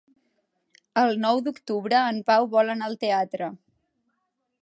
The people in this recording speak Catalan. El nou d'octubre en Pau vol anar al teatre.